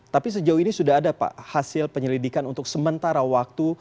tapi sejauh ini sudah ada pak hasil penyelidikan untuk sementara waktu